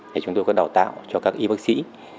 thì chúng tôi có đào tạo cho các y bác sĩ